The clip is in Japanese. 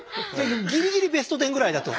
ギリギリベスト１０ぐらいだと？